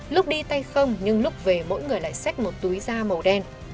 lúc đi tay không nhưng lúc về mỗi người lại xách một túi da màu đen